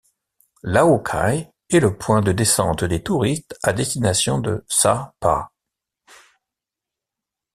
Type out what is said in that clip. Lao Cai est le point de descente des touristes à destination de Sa Pa.